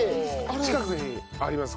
近くにあります